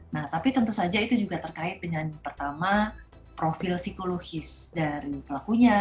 nah tapi tentu saja itu juga terkait dengan pertama profil psikologis dari pelakunya